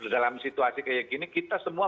dalam situasi kayak gini kita semua